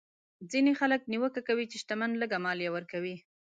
ځینې خلک نیوکه کوي چې شتمن لږه مالیه ورکوي.